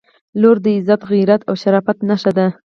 • لور د عزت، غیرت او شرافت نښه ده.